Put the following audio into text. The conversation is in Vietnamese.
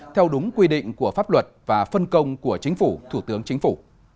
theo đúng quy định của pháp luật và phân công của chính phủ thủ tướng chính phủ